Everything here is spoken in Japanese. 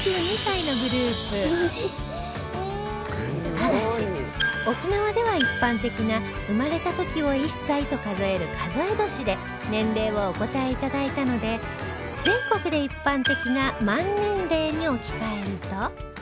ただし沖縄では一般的な生まれた時を１歳と数える数え年で年齢をお答えいただいたので全国で一般的な満年齢に置き換えると